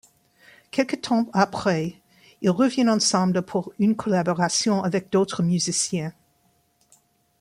Quelque temps après, ils reviennent ensemble pour une collaboration avec d'autres musiciens.